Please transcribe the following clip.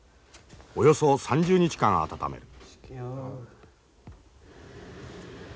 およそ３０日間温める。